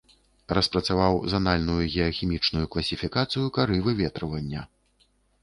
Распрацаваў занальную геахімічную класіфікацыю кары выветрывання.